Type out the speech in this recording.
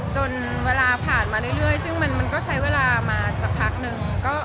จนเวลาผ่านมาเรื่อยซึ่งมันก็ใช้เวลามาสักพักนึง